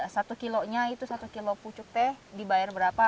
satu kilonya itu satu kilo pucuk teh dibayar berapa